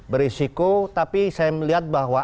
berisiko tapi saya melihat bahwa